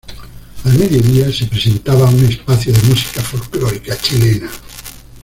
Al mediodía se presentaba un espacio de música folklórica chilena.